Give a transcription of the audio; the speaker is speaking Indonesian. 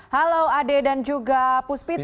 halo ade dan juga puspita